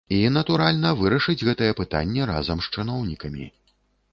І, натуральна, вырашыць гэтае пытанне разам з чыноўнікамі.